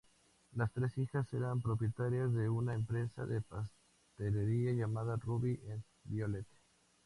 Las tres hijas eran propietarias de una empresa de pastelería llamada "Ruby et Violette".